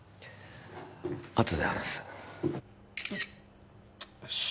あとで話すよし